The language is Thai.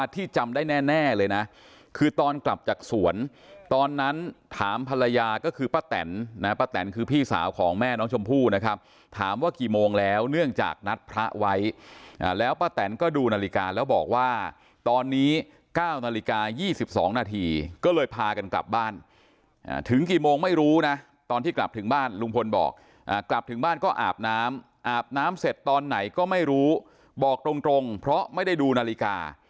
ที่จำได้แน่แน่เลยนะคือตอนกลับจากสวนตอนนั้นถามภรรยาก็คือป้าแต่นนะครับป้าแต่นคือพี่สาวของแม่น้องชมพู่นะครับถามว่ากี่โมงแล้วเนื่องจากนัดพระไว้อ่าแล้วป้าแต่นก็ดูนาฬิกาแล้วบอกว่าตอนนี้เก้านาฬิกายี่สิบสองนาทีก็เลยพากันกลับบ้านอ่าถึงกี่โมงไม่รู้น่ะตอนที่กลับถึงบ้านลุงพลบ